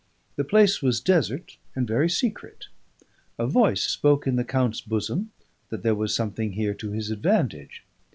The place was desert and very secret; a voice spoke in the count's bosom that there was something here to his advantage.